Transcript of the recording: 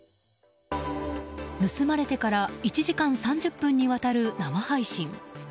盗まれてから１時間３０分にわたる生配信。